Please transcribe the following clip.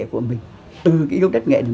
của mình từ cái yêu đất nghệ này